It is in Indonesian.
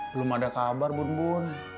belum ada kabar bun bun